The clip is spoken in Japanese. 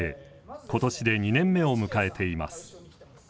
今年で２年目を迎えています。